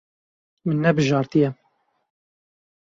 Min nebijartiye.